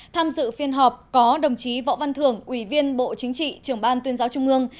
tham dự phiên họp có đồng chí võ văn thưởng ủy viên bộ chính trị trưởng ban tuyên giáo trung ương